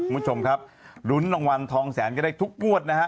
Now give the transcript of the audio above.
คุณผู้ชมครับลุ้นรางวัลทองแสนก็ได้ทุกงวดนะฮะ